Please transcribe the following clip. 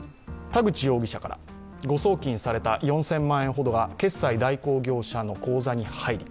田口容疑者から誤送金された４０００万円ほどが決済代行業者の口座に入り